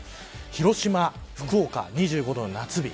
広島、福岡は２５度の夏日。